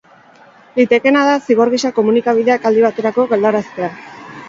Litekeena da zigor gisa komunikabideak aldi baterako galaraztea.